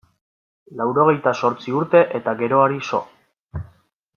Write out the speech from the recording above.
Laurogehita zortzi urte eta geroari so.